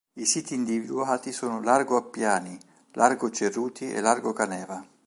I siti individuati sono largo Appiani, largo Ceruti e largo Caneva.